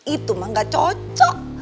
itu mah gak cocok